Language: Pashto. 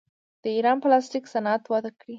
د ایران پلاستیک صنعت وده کړې.